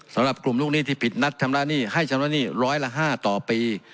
สำหรับกลุ่มลูกหนี้ที่ผิดนัดชำระหนี้ให้ชำระหนี้ร้อยละ๕ต่อปี